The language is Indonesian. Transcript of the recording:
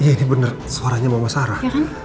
iya ini benar suaranya mama sarah